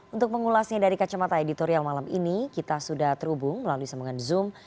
untuk mengulasnya dari kacamata editorial malam ini kita sudah terhubung melalui semangat zoom